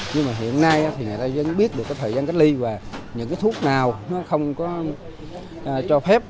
nhưng mà hiện nay thì người ta vẫn biết được cái thời gian cách ly và những cái thuốc nào nó không có cho phép